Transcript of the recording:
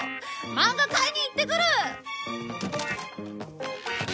マンガ買いに行ってくる！